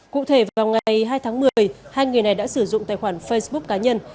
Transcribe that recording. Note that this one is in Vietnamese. cụ thể vào ngày hai tháng một mươi hai người này đã sử dụng tài khoản facebook cá nhân